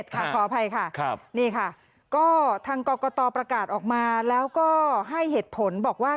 ขออภัยค่ะนี่ค่ะก็ทางกรกตประกาศออกมาแล้วก็ให้เหตุผลบอกว่า